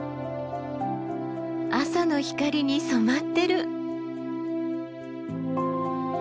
朝の光に染まってる。